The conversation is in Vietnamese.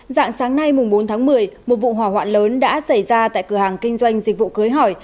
dạng sáng nay bốn tháng một mươi một vụ hỏa hoạn lớn đã xảy ra tại cửa hàng kinh doanh dịch vụ cưới hỏi